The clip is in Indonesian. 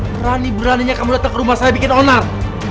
berani beraninya kamu datang ke rumah saya bikin onar